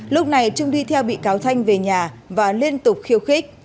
lúc này trung đi theo bị cáo thanh về nhà và liên tục khiêu khích